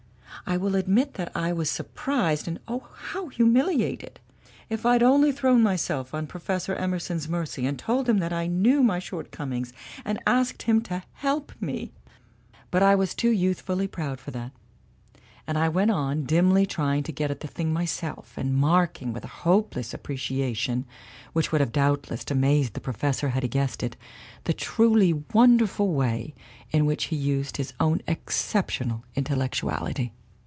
I will admit that I was surprised and oh, how humiliated! If I'd only thrown myself on Pro fessor Emerson's mercy and told him that I knew my shortcomings and asked him to help me! But I was too youthfully proud for that, and I went on, dimly trying to get at the thing myself and marking with a hopeless appreciation, which would have doubtless amazed the Professor had he guessed it, the truly wonderful way in which he used his own exceptional intellectuality.